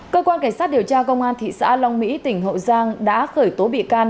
cơ quan cảnh sát điều tra công an thị xã long mỹ tỉnh hậu giang đã khởi tố bị can